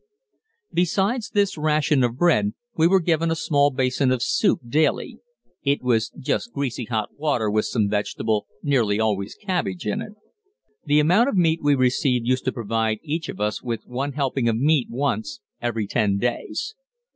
Besides this ration of bread, we were given a small basin of soup daily it was just greasy hot water with some vegetable, nearly always cabbage, in it. The amount of meat we received used to provide each of us with one helping of meat once every ten days.